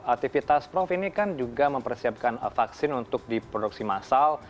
aktivitas prof ini kan juga mempersiapkan vaksin untuk diproduksi massal